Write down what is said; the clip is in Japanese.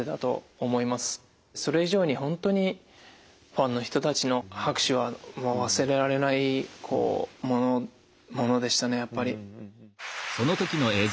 それ以上に本当にファンの人たちの拍手はもう忘れられないものでしたねやっぱり。